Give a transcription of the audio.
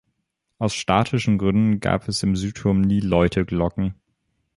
Aus statischen Gründen gab es im Südturm nie Läute-Glocken.